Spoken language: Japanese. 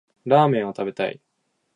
ラーメンを食べたい